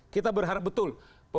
kita berharap betul